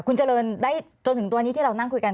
คุณเจริญได้จนถึงตัวนี้ที่เรานั่งคุยกัน